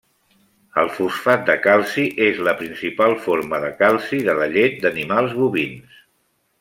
El fosfat de calci és la principal forma de calci de la llet d'animals bovins.